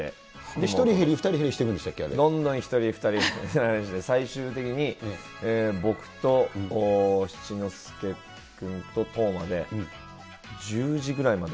１人減り、２人減りしていくどんどん１人、２人、最終的に、僕と七之助君と斗真で、１０時ぐらいまで。